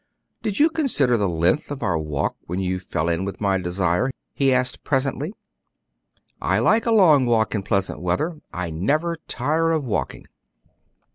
"Did you consider the length of our walk when you fell in with my desire?" he asked presently. "I like a long walk in pleasant weather; I never tire of walking."